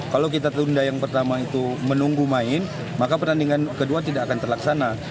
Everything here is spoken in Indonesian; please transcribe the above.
kalau kita tunda yang pertama itu menunggu main maka pertandingan kedua tidak akan terlaksana